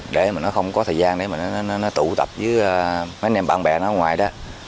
để mà nó không có thời gian để mà nó tụ tập với mấy anh em bạn bè nó ở ngoài đó